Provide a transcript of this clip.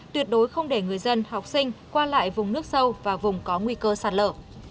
tuyệt đối không để người dân học sinh qua lại vùng nước sâu và vùng có nguy cơ sạt lở